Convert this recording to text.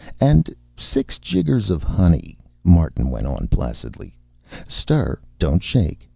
" and six jiggers of honey," Martin went on placidly. "Stir, don't shake.